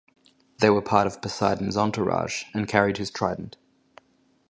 They were part of Poseidon's entourage and carried his trident.